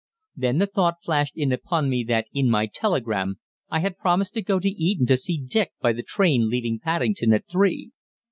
Then the thought flashed in upon me that in my telegram I had promised to go to Eton to see Dick by the train leaving Paddington at three.